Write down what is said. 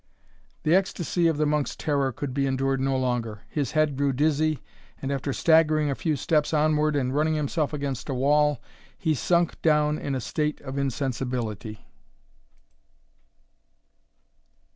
The ecstasy of the monk's terror could be endured no longer; his head grew dizzy, and, after staggering a few steps onward and running himself against a wall, he sunk down in a state of insensibility.